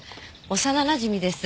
幼なじみです。